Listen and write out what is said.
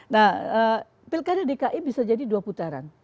nah pilkada dki bisa jadi dua putaran